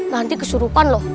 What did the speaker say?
nanti kesurupan loh